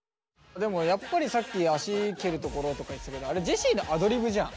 でもやっぱりさっき足蹴るところとか言ってたけどあれジェシーのアドリブじゃん。